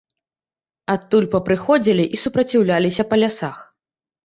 Адтуль папрыходзілі і супраціўляліся па лясах.